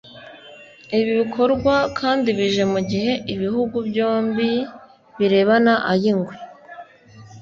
Ibi bikorwa kandi bije mu gihe ibihugu byombi birebana ay’ingwe